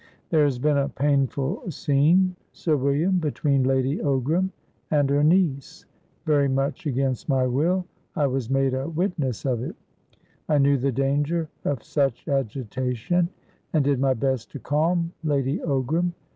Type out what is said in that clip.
"There has been a painful scene, Sir William, between Lady Ogram and her niece. Very much against my will, I was made a witness of it. I knew the danger of such agitation, and did my best to calm Lady Ogram.